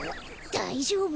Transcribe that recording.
だいじょうぶ？